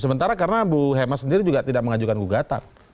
sementara karena bu hema sendiri juga tidak mengajukan gugatan